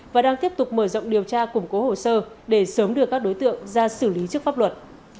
và đang tiếp tục mở rộng điều tra củng cố hồ sơ để sớm đưa các đối tượng ra xử lý trước pháp luật